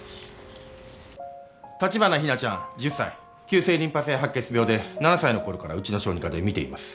立花日菜ちゃん１０歳急性リンパ性白血病で７歳の頃からうちの小児科で診ています。